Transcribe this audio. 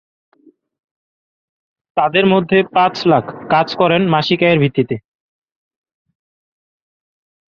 তাদের মধ্যে পাঁচ লাখ কাজ করেন মাসিক আয়ের ভিত্তিতে।